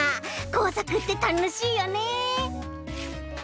工作ってたのしいよね。